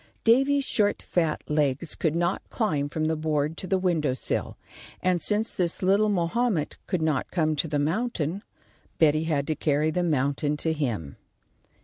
Davy's short fat legs could not climb from the board to the window sill, and since this little Mahomet could not come to the mountain, Betty had to carry the mountain to him.